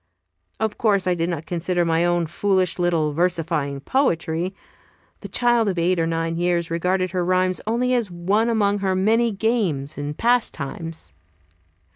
Of course I did not consider my own foolish little versifying poetry. The child of eight or nine years regarded her rhymes as only one among her many games and pastimes.